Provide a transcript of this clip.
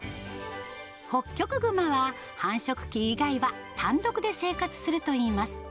ホッキョクグマは繁殖期以外は単独で生活するといいます。